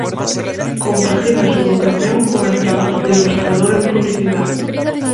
Compagina su vocación con el trabajo de ilustrador en publicidad.